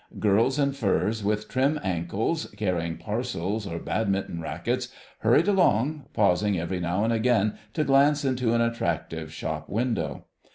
Girls in furs, with trim ankles, carrying parcels or Badminton raquets, hurried along, pausing every now and again to glance into an attractive shop window.